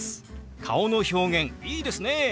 顔の表現いいですね。